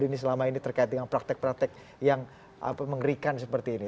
ini selama ini terkait dengan praktek praktek yang mengerikan seperti ini